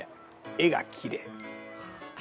絵がきれい。